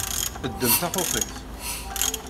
Ddem takukit.